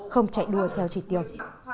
không chạy đua theo trị tiêu